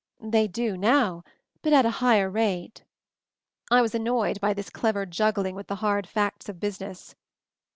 They do now, but at a higher rate." I was annoyed by this clever juggling with the hard facts of business.